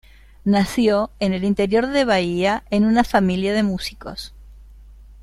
Nació en el interior de Bahía, en una familia de músicos.